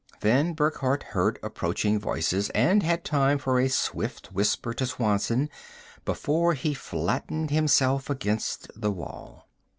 Then Burckhardt heard approaching voices and had time for a swift whisper to Swanson before he flattened himself against the wall.